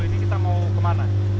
ini kita mau kemana